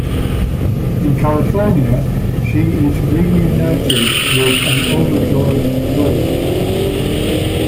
In California, she is reunited with an overjoyed Blake.